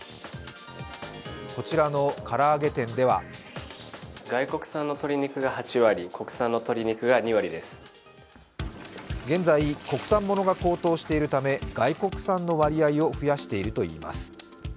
こちらの唐揚げ店では現在、国産ものが高騰しているため外国産の割合を増やしているといいます。